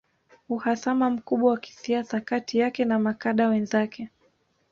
Uhasama mkubwa wa kisiasa kati yake na makada wenzake